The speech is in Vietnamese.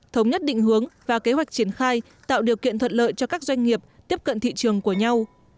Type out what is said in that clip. thống nhất định hướng và kế hoạch triển khai tạo điều kiện thuận lợi cho các doanh nghiệp tiếp cận thị trường của nhau